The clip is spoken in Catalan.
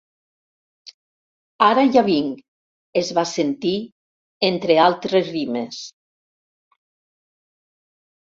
Ara ja vinc! —es va sentir, entre altres rimes.